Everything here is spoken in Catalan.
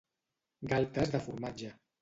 Galtes de formatge.